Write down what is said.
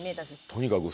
とにかく。